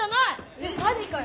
えっマジかよ。